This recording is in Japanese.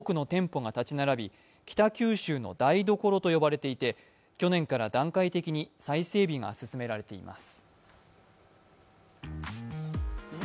旦過市場は精肉店や鮮魚店など多くの店舗が建ち並び北九州の台所と呼ばれていて、去年から段階的に再整備が進められています。